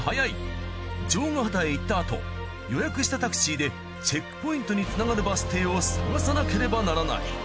尉ヶ畑へ行ったあと予約したタクシーでチェックポイントにつながるバス停を探さなければならない。